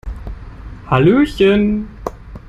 Hallöchen!